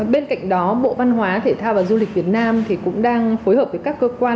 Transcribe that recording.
bên cạnh đó bộ văn hóa thể thao và du lịch việt nam cũng đang phối hợp với các cơ quan